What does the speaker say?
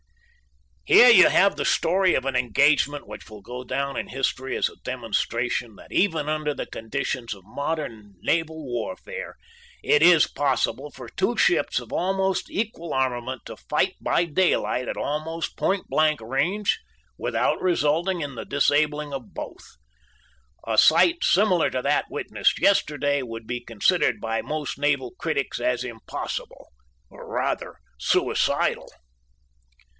Here you have the story of an engagement which will go down in history as a demonstration that, even under the conditions of modern naval warfare, it is possible for two ships of almost equal armament to fight by daylight at almost point blank range without resulting in the disabling of both. A sight similar to that witnessed yesterday would be considered by most naval critics as impossible, or, rather, suicidal.